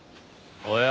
おや？